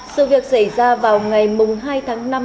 sự việc xảy ra vào ngày hai tháng năm năm hai nghìn hai mươi